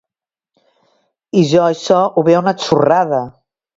I jo això ho veia una xorrada!